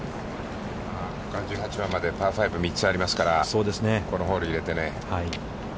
ここから１８番まで、パー５が３つありますから、このホール入れてね。